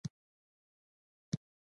د فلاني کال د اپریل پر یوولسمه.